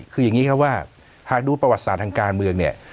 คืออย่างนี้ครับว่าหากดูประวัติศาสตร์ทางการเมืองเนี่ย